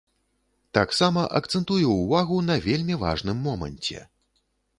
Таксама акцэнтую ўвагу на вельмі важным моманце.